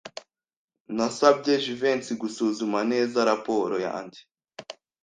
Nasabye Jivency gusuzuma neza raporo yanjye.